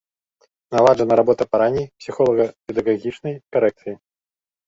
Наладжана работа па ранняй псіхолага-педагагічнай карэкцыі.